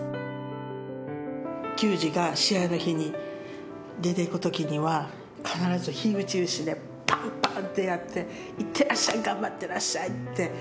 球児が試合の日に出ていく時には必ず火打ち石でパンパンってやって行ってらっしゃい頑張ってらっしゃいってやってましたね。